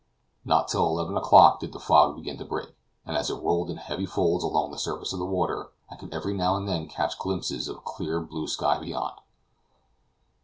Not till eleven o'clock did the fog begin to break, and as it rolled in heavy folds along the surface of the water, I could every now and then catch glimpses of a clear blue sky beyond.